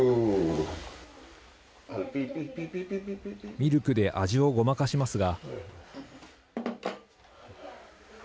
ミルクで味をごまかしますが。